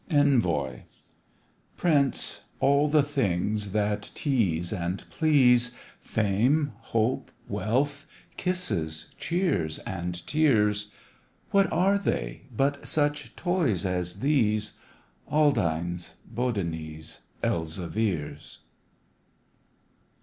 ENVOY. Prince, all the things that tease and please, Fame, hope, wealth, kisses, cheers, and tears, What are they but such toys as these Aldines, Bodonis, Elzevirs?